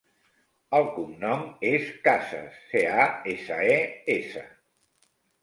El cognom és Cases: ce, a, essa, e, essa.